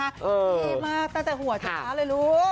เท่มากตั้งแต่หัวจะเท้าเลยลูก